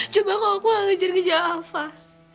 coba kalau aku gak ngejar ngejar alfah